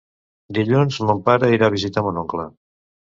Dilluns mon pare irà a visitar mon oncle.